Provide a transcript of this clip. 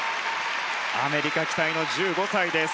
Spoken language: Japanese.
アメリカ期待の１５歳です。